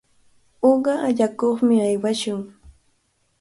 Uqa allakuqmi aywashun.